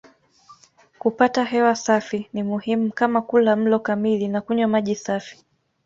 Kupata hewa safi ni muhimu kama kula mlo kamili na kunywa maji safi.